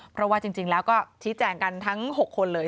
เพราะว่าจริงแล้วก็ชี้แจงกันทั้ง๖คนเลย